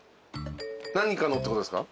何かのってことですか？